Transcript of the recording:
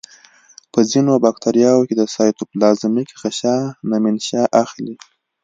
په ځینو باکتریاوو کې د سایتوپلازمیک غشا نه منشأ اخلي.